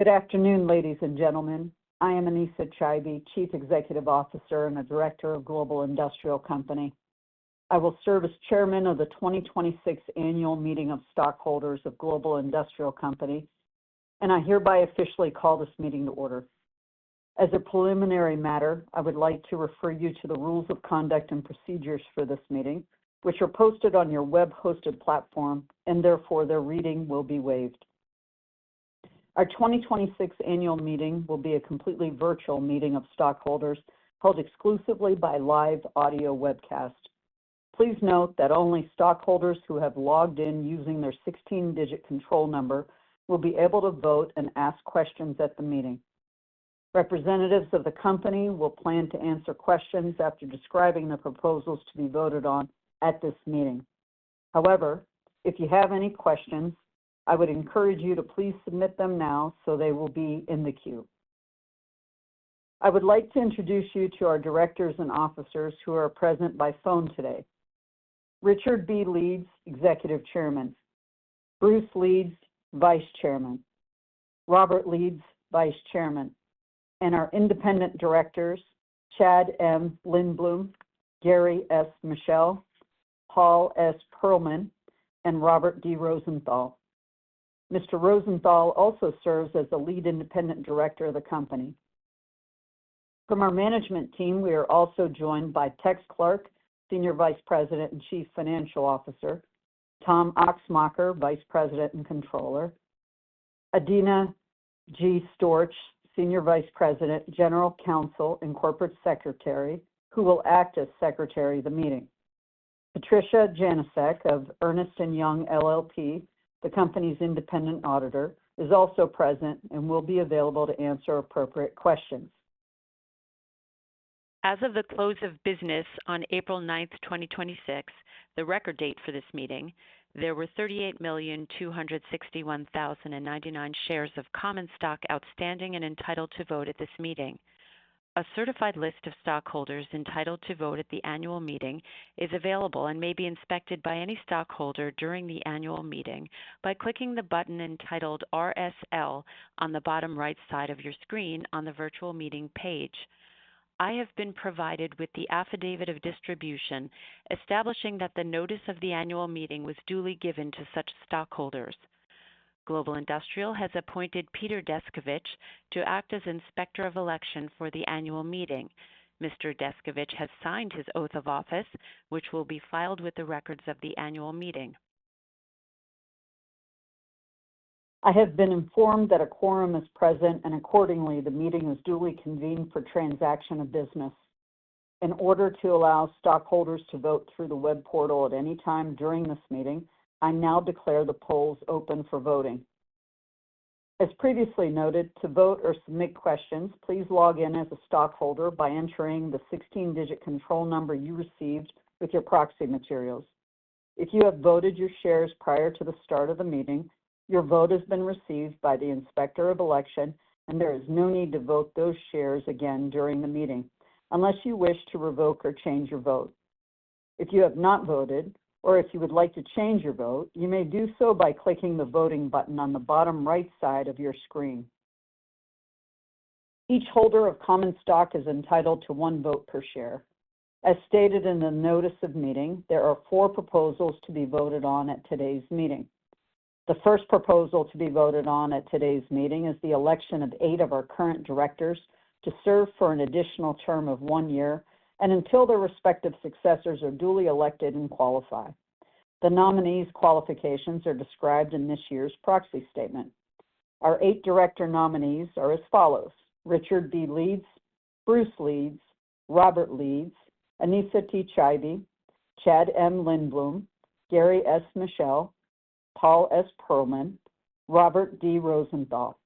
Good afternoon, ladies and gentlemen. I am Anesa Chaibi, Chief Executive Officer and a Director of Global Industrial Company. I will serve as Chairman of the 2026 Annual Meeting of Stockholders of Global Industrial Company, and I hereby officially call this meeting to order. As a preliminary matter, I would like to refer you to the rules of conduct and procedures for this meeting, which are posted on your web-hosted platform, and therefore, their reading will be waived. Our 2026 Annual Meeting will be a completely virtual meeting of stockholders, held exclusively by live audio webcast. Please note that only stockholders who have logged in using their 16-digit control number will be able to vote and ask questions at the meeting. Representatives of the company will plan to answer questions after describing the proposals to be voted on at this meeting. However, if you have any questions, I would encourage you to please submit them now so they will be in the queue. I would like to introduce you to our directors and officers who are present by phone today. Richard B. Leeds, Executive Chairman. Bruce Leeds, Vice Chairman. Robert Leeds, Vice Chairman. Our independent directors, Chad M. Lindbloom, Gary S. Michel, Paul S. Pearlman, and Robert D. Rosenthal. Mr. Rosenthal also serves as the Lead Independent Director of the company. From our management team, we are also joined by Thomas Clark, Senior Vice President and Chief Financial Officer, Thomas Axmacher, Vice President and Controller, Adina G. Storch, Senior Vice President, General Counsel, and Corporate Secretary, who will act as Secretary of the Meeting. Patricia Janecek of Ernst & Young LLP, the company's independent auditor, is also present and will be available to answer appropriate questions. As of the close of business on April 9th, 2026, the record date for this meeting, there were 38,261,099 shares of common stock outstanding and entitled to vote at this meeting. A certified list of stockholders entitled to vote at the annual meeting is available and may be inspected by any stockholder during the annual meeting by clicking the button entitled RSL on the bottom right side of your screen on the virtual meeting page. I have been provided with the affidavit of distribution establishing that the notice of the annual meeting was duly given to such stockholders. Global Industrial has appointed Peter Descovich to act as Inspector of Election for the annual meeting. Mr. Descovich has signed his oath of office, which will be filed with the records of the annual meeting. I have been informed that a quorum is present and accordingly, the meeting is duly convened for transaction of business. In order to allow stockholders to vote through the web portal at any time during this meeting, I now declare the polls open for voting. As previously noted, to vote or submit questions, please log in as a stockholder by entering the 16-digit control number you received with your proxy materials. If you have voted your shares prior to the start of the meeting, your vote has been received by the Inspector of Election, and there is no need to vote those shares again during the meeting unless you wish to revoke or change your vote. If you have not voted, or if you would like to change your vote, you may do so by clicking the voting button on the bottom right side of your screen. Each holder of common stock is entitled to one vote per share. As stated in the notice of meeting, there are four proposals to be voted on at today's meeting. The first proposal to be voted on at today's meeting is the election of eight of our current directors to serve for an additional term of one year and until their respective successors are duly elected and qualify. The nominees' qualifications are described in this year's proxy statement. Our eight director nominees are as follows, Richard B. Leeds, Bruce Leeds, Robert Leeds, Anesa T. Chaibi, Chad M. Lindbloom, Gary S. Michel, Paul S. Pearlman, Robert D. Rosenthal.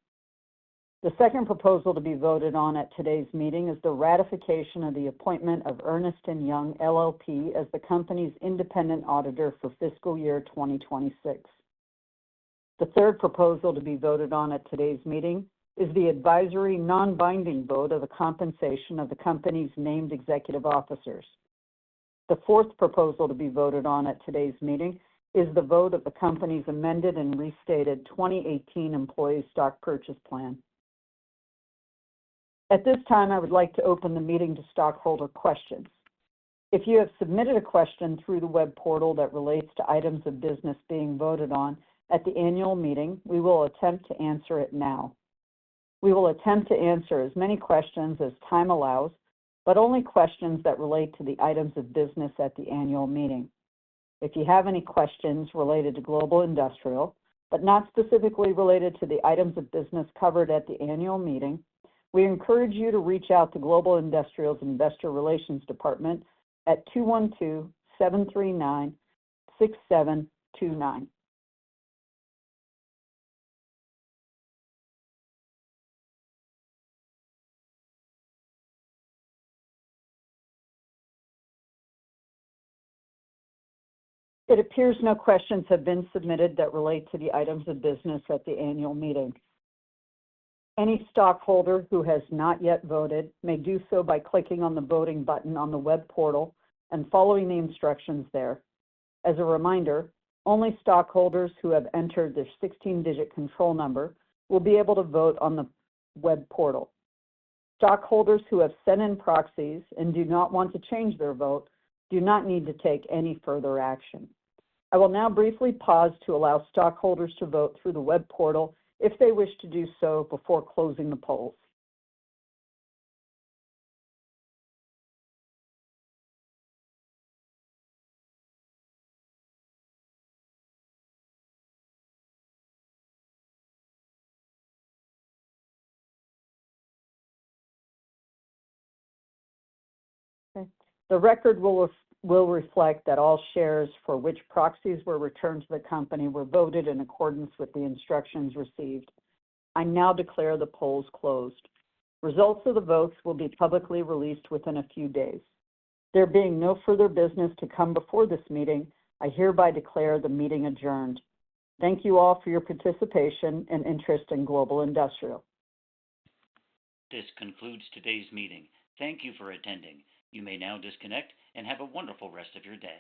The second proposal to be voted on at today's meeting is the ratification of the appointment of Ernst & Young LLP as the company's independent auditor for fiscal year 2026. The third proposal to be voted on at today's meeting is the advisory, non-binding vote of the compensation of the company's named executive officers. The fourth proposal to be voted on at today's meeting is the vote of the company's amended and restated 2018 Employee Stock Purchase Plan. At this time, I would like to open the meeting to stockholder questions. If you have submitted a question through the web portal that relates to items of business being voted on at the annual meeting, we will attempt to answer it now. We will attempt to answer as many questions as time allows, but only questions that relate to the items of business at the annual meeting. If you have any questions related to Global Industrial, but not specifically related to the items of business covered at the annual meeting, we encourage you to reach out to Global Industrial's Investor Relations Department at (212) 739-6729. It appears no questions have been submitted that relate to the items of business at the annual meeting. Any stockholder who has not yet voted may do so by clicking on the voting button on the web portal and following the instructions there. As a reminder, only stockholders who have entered their 16-digit control number will be able to vote on the web portal. Stockholders who have sent in proxies and do not want to change their vote do not need to take any further action. I will now briefly pause to allow stockholders to vote through the web portal if they wish to do so before closing the polls. Okay. The record will reflect that all shares for which proxies were returned to the company were voted in accordance with the instructions received. I now declare the polls closed. Results of the votes will be publicly released within a few days. There being no further business to come before this meeting, I hereby declare the meeting adjourned. Thank you all for your participation and interest in Global Industrial. This concludes today's meeting. Thank you for attending. You may now disconnect and have a wonderful rest of your day.